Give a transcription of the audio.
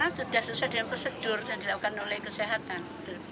karena sudah selesai dengan prosedur yang dilakukan oleh kesehatan